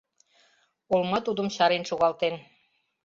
Олма тудым чарен шогалтен.